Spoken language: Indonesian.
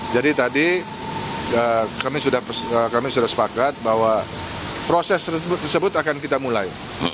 jadi tadi kami sudah sepakat bahwa proses tersebut akan kita mulai